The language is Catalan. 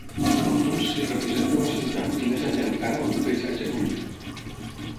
Al fons s'hi representa una ciutat i més enllà encara un paisatge amb un llac.